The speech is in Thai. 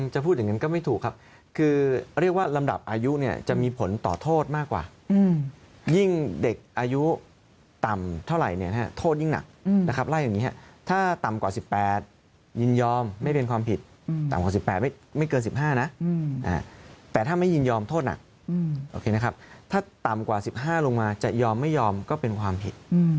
พูดอย่างนั้นก็ไม่ถูกครับคือเรียกว่าลำดับอายุเนี่ยจะมีผลต่อโทษมากกว่ายิ่งเด็กอายุต่ำเท่าไหร่เนี่ยโทษยิ่งหนักนะครับไล่อย่างนี้ครับถ้าต่ำกว่า๑๘ยินยอมไม่เป็นความผิดต่ำกว่า๑๘ไม่เกิน๑๕นะแต่ถ้าไม่ยินยอมโทษหนักโอเคนะครับถ้าต่ำกว่า๑๕ลงมาจะยอมไม่ยอมก็เป็นความผิด